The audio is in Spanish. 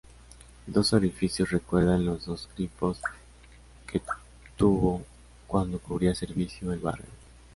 Dos orificios recuerdan los dos grifos que tuvo cuando cubría servicio en el barrio.